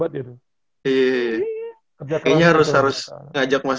kayaknya harus ngajak mas